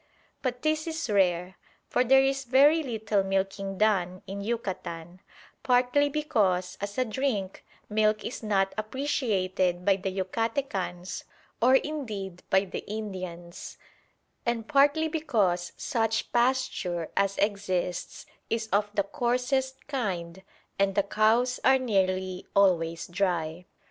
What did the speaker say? But this is rare, for there is very little milking done in Yucatan, partly because as a drink milk is not appreciated by the Yucatecans, or indeed by the Indians; and partly because such pasture as exists is of the coarsest kind and the cows are nearly always dry.